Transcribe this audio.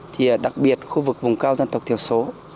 thì đặc biệt khu vực vùng cao dân tộc thiểu số